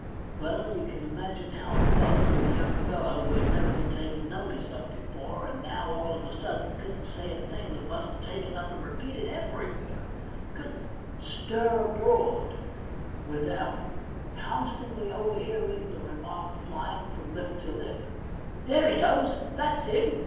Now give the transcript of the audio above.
Well, you can imagine how it was with a young fellow who had never been taken notice of before, and now all of a sudden couldn't say a thing that wasn't taken up and repeated 'Everywhere ; couldn't stir abroad without con 1 8 THE £1,000,000 BANK NOTE stantly overhearing the remark flying from lip to lip, * There he goes ; tl.at's him